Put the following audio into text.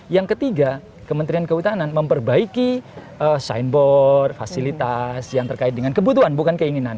yang ketiga kementerian kehutanan memperbaiki signboard fasilitas yang terkait dengan kebutuhan bukan keinginan